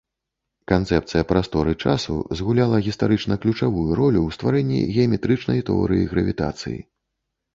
Канцэпцыя прасторы-часу згуляла гістарычна ключавую ролю ў стварэнні геаметрычнай тэорыі гравітацыі.